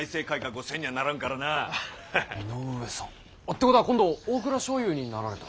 てことは今度大蔵少輔になられた。